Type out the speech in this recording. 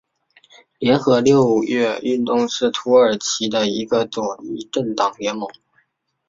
联合六月运动是土耳其的一个左翼政党联盟。